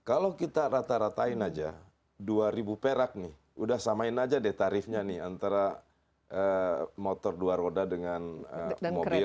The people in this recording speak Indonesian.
kalau kita rata ratain aja dua ribu perak nih udah samain aja deh tarifnya nih antara motor dua roda dengan mobil